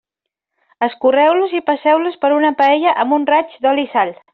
Escorreu-los i passeu-los per una paella amb un raig d'oli i sal.